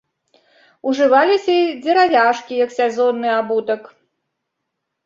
Ужываліся і дзеравяшкі як сезонны абутак.